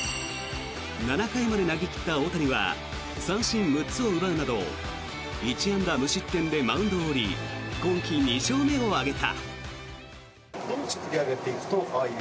７回まで投げ切った大谷は三振６つを奪うなど１安打無失点でマウンドを降り今季２勝目を挙げた。